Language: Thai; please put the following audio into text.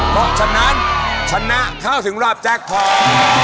เพราะฉะนั้นชนะเข้าถึงรอบแจ็คพอร์ต